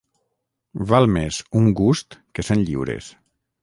Val més un gust que cent lliures.